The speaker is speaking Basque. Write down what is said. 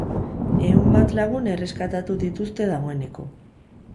Ehun bat lagun erreskatatu dituzte dagoeneko.